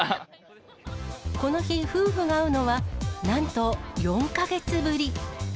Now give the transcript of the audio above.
この日、夫婦が会うのはなんと４か月ぶり。